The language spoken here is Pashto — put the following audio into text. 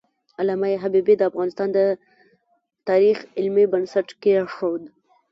علامه حبیبي د افغانستان د تاریخ علمي بنسټ کېښود.